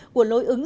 của lối ứng